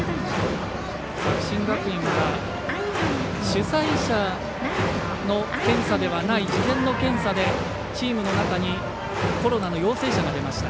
作新学院は主催者の検査ではない事前の検査でチームの中にコロナの陽性者が出ました。